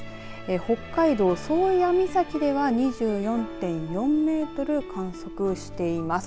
北海道宗谷岬では２４．４メートル観測しています。